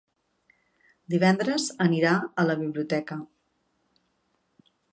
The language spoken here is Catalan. Divendres anirà a la biblioteca.